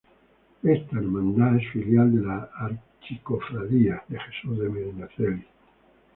Esta hermandad es filial de la Archicofradía de Jesús de Medinaceli de Madrid.